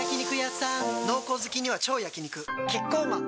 濃厚好きには超焼肉キッコーマン